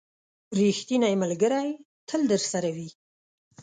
• ریښتینی ملګری تل درسره وي.